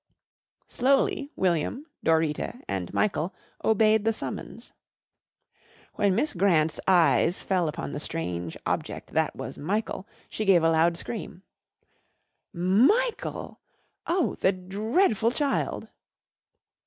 Slowly William, Dorita and Michael obeyed the summons. When Miss Grant's eyes fell upon the strange object that was Michael, she gave a loud scream. "Michael! Oh, the dreadful child!"